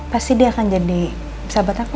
pasti dia akan jadi sahabat aku